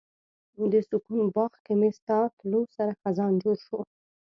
د سکون باغ کې مې ستا تلو سره خزان جوړ شو